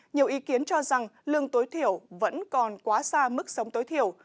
nhiều ý kiến cho rằng lương tối thiểu vẫn còn quá xa mức sống tối thiểu